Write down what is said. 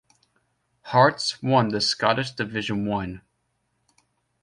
Hearts won the Scottish Division One.